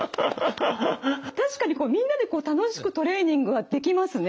確かにみんなで楽しくトレーニングができますね。